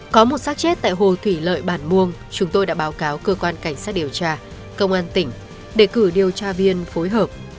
có một sát chết tại hồ thủy lợi bản muông chúng tôi đã báo cáo cơ quan cảnh sát điều tra công an tỉnh để cử điều tra viên phối hợp